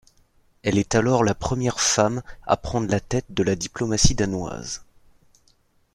Elle est alors la première femme à prendre la tête de la diplomatie danoise.